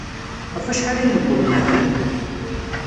Ɣef wacḥal ay tewwḍem ɣer din?